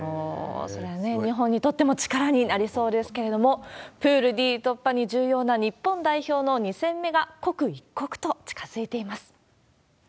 それはね、日本にとっても力になりそうですけれども、プールＤ突破に重要な日本代表の２戦目が刻一刻と近づいています。